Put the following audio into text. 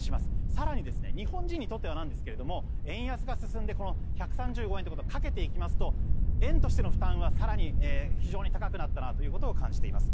更に日本人にとってはなんですが円安が進んで１３５円ということをかけていきますと円としての負担は更に非常に高くなったなということを感じています。